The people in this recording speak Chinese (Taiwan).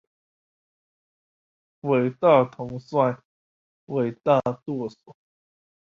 偉大統帥、偉大舵手